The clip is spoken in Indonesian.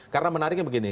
karena menariknya begini